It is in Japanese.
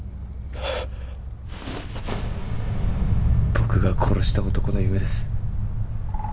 僕が殺した男の夢です。